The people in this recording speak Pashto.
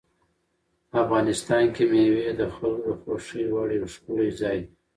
افغانستان کې مېوې د خلکو د خوښې وړ یو ښکلی ځای دی.